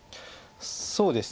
そうですね